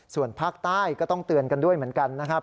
ส่วนภาคใต้ก็ต้องเตือนกันด้วยเหมือนกันนะครับ